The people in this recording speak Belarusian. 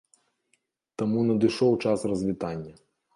Таму надышоў час развітання.